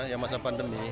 yang masa pandemi